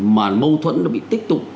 mà mâu thuẫn nó bị tích tục